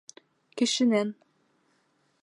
Кешенән...